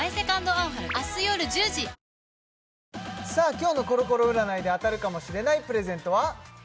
今日のコロコロ占いで当たるかもしれないプレゼントは？